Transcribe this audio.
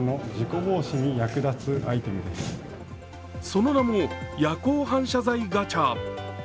その名も夜光反射材ガチャ。